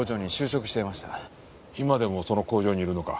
今でもその工場にいるのか？